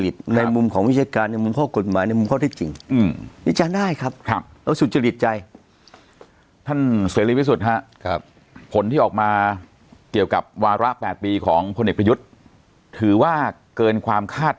ที่ท่านได้มองรววิเคราะห์ไว้มั้ย